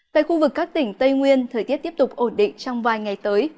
tại khu vực các tỉnh tây nguyên thời tiết tiếp tục ổn định trong vài ngày tới